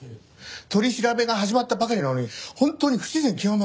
取り調べが始まったばかりなのに本当に不自然極まりない。